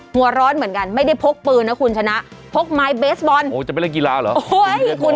หัวร้อนเหมือนกันไม่ได้พกปืนนะคุณชนะพกไม้เบสบอลโอ้จะไปเล่นกีฬาเหรอ